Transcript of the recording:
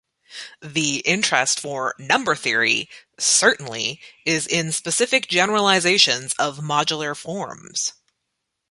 The interest for number theory, certainly, is in specific generalisations of modular forms.